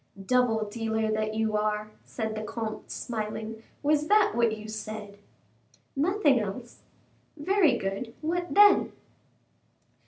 "Double dealer that you are," said the comte, smiling; "was that what you said?" "Nothing else." "Very good; what then?"